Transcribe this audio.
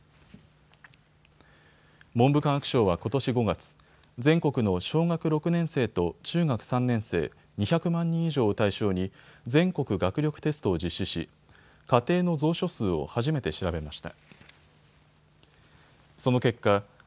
文部科学省はことし５月、全国の小学６年生と中学３年生２００万人以上を対象に全国学力テストを実施し、家庭の蔵書数を初めて調べました。